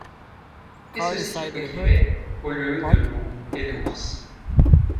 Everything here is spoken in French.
Et ce cirque qui met, au lieu de loups et d’ours